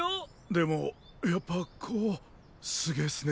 でもやっぱこうすげェスね